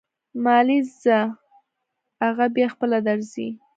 مالې ځه اغه بيا خپله درځي.